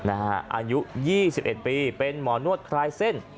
อายุ๒๑ปีเป็นหมอนวดคลายเส้น